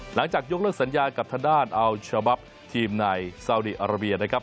หลังจากยกเลิกสัญญากับทางด้านอัลเชอร์บับทีมในซาวดีอาราเบียนะครับ